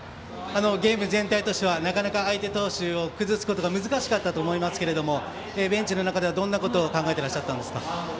ゲーム全体ではなかなか相手投手を崩すことが難しかったと思いますがベンチの中ではどんなことを考えてらっしゃったんですか。